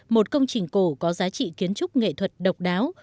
một công trình cổ có giá trị kiến trúc nghệ thuật độc đáo